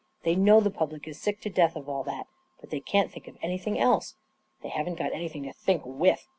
They know the public is sick to death of all that, but they can't think of anything else I They haven't got anything to think with